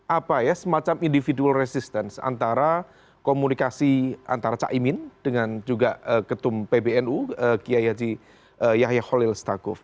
apa ya semacam individual resistance antara komunikasi antara caimin dengan juga ketum pbnu kiai haji yahya khalil stakuf